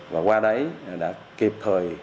và qua đấy đã kịp thời